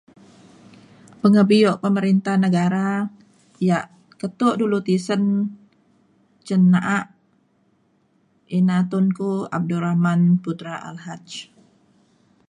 pengebio pemerintah negara ya' ketuk dulu tisen cen na'a ina Tunku Abdul Rahman Putra al-Haj.